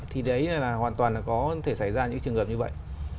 thì đấy là hoàn toàn có thể xảy ra những trường hợp như vậy